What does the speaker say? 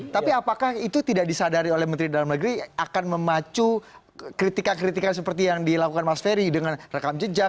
tapi apakah itu tidak disadari oleh menteri dalam negeri akan memacu kritikan kritikan seperti yang dilakukan mas ferry dengan rekam jejak